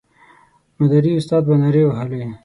مداري استاد به نارې وهلې.